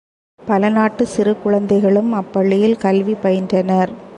பல நாட்டுச் சிறு குழந்தைகளும் அப் பள்ளியில் கல்வி பயின்றனர்.